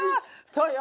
そうよ。